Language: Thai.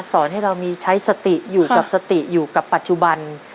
สอนให้เรามีใช้สติอยู่กับสติอยู่กับปัจจุบัน